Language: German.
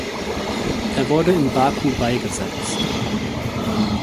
Er wurde in Baku beigesetzt.